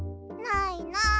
ないなあ